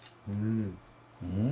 うん！